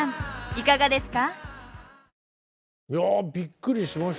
いかがですか？